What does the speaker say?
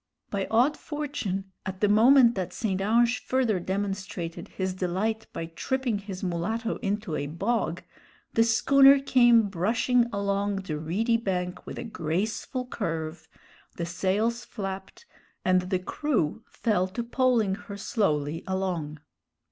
By odd fortune, at the moment that St. Ange further demonstrated his delight by tripping his mulatto into a bog, the schooner came brushing along the reedy bank with a graceful curve, the sails flapped, and the crew fell to poling her slowly along.